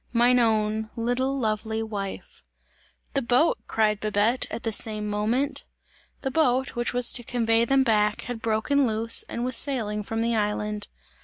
Mine own, little, lovely wife!" "The boat!" cried Babette at the same moment. The boat, which was to convey them back, had broken loose and was sailing from the island.